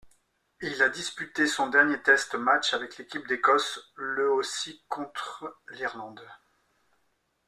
Il a disputé son dernier test match avec l'équipe d'Écosse le aussi contre l'Irlande.